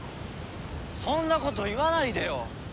そんなこと言わないでよ！